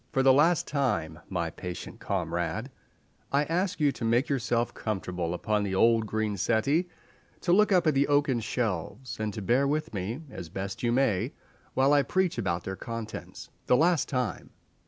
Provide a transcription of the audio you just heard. For the last time, my patient comrade, I ask you to make yourself comfortable upon the old green settee, to look up at the oaken shelves, and to bear with me as best you may while I preach about their contents. The last time!